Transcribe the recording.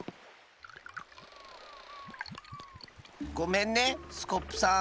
ごめんねスコップさん。